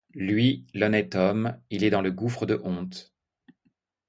Lui, l’honnête homme, il est dans le gouffre de honte !